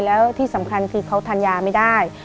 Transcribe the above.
แล้วที่สำคัญคือเขาทานยาไม่ได้